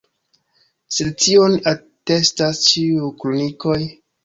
Sed tion atestas ĉiuj kronikoj.